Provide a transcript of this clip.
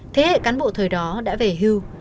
thế hệ cán bộ thời đó đã về hưu